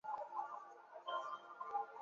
香青兰为唇形科青兰属下的一个种。